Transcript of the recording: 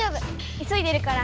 いそいでるから。